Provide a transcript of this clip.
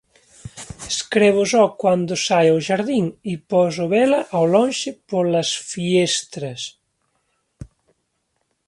Escribo só cando sae ao xardín e podo vela ao lonxe polas fiestras.